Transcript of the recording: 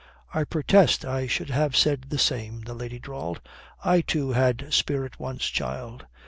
"I protest, I should have said the same," the lady drawled. "I too had spirit once, child.